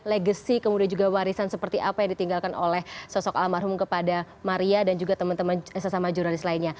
legacy kemudian juga warisan seperti apa yang ditinggalkan oleh sosok almarhum kepada maria dan juga teman teman sesama jurnalis lainnya